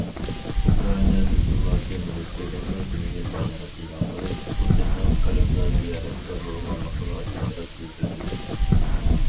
ئۇكرائىنا دىپلوماتىيە مىنىستىرلىقى تۈنۈگۈن بايانات ئېلان قىلىپ، پۇتىننىڭ قىرىمدا زىيارەتتە بولغانلىقىغا ئېتىراز بىلدۈردى.